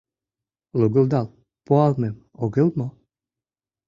Лугылдал пуалмем огыл мо?